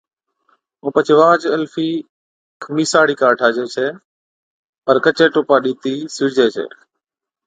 ائُون پڇي واهچ الفِي خمِيسا هاڙِي ڪار ٺاھجَي ڇَي پر ڪچي ٽوپا ڏِتِي سِيڙجَي ڇَي